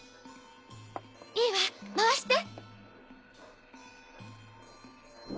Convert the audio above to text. いいわ回して。